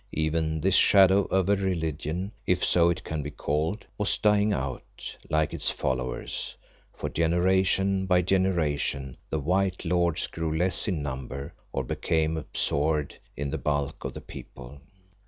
Even this shadow of a religion, if so it can be called, was dying out, like its followers, for generation by generation, the white lords grew less in number or became absorbed in the bulk of the people.